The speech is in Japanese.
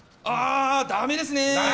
だめですね！